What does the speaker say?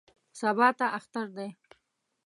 سبا ته اختر دی.